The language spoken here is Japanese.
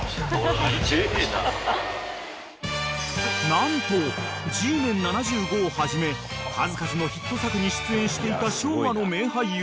［何と『Ｇメン’７５』をはじめ数々のヒット作に出演していた昭和の名俳優